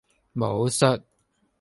武術